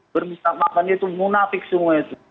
permintaan maafan dia itu kemunafik semua itu